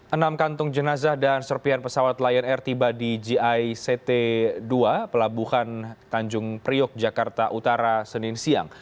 enam kantung jenazah dan serpian pesawat lion air tiba di gict dua pelabuhan tanjung priok jakarta utara senin siang